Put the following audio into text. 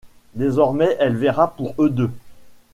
Désormais, elle verra pour eux deux.